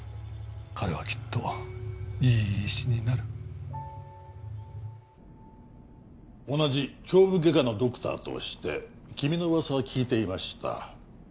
彼はきっといい医師になる同じ胸部外科のドクターとして君の噂は聞いていました